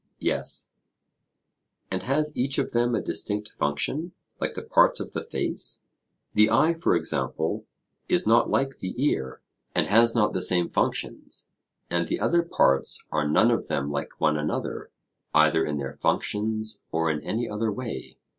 Yes. And has each of them a distinct function like the parts of the face; the eye, for example, is not like the ear, and has not the same functions; and the other parts are none of them like one another, either in their functions, or in any other way?